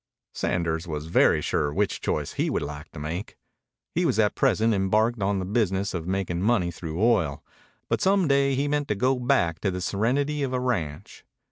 Sanders was very sure which choice he would like to make. He was at present embarked on the business of making money through oil, but some day he meant to go back to the serenity of a ranch.